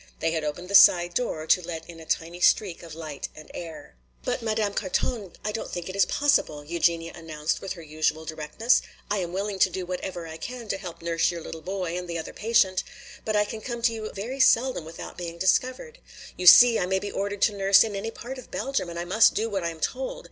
They had opened the side door to let in a tiny streak of light and air. "But, Madame Carton, I don't think it is possible," Eugenia announced with her usual directness. "I am willing to do whatever I can to help nurse your little boy and the other patient, but I can come to you very seldom without being discovered. You see, I may be ordered to nurse in any part of Belgium and I must do what I am told.